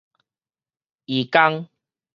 移工